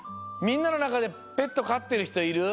みんなのなかでペットかってるひといる？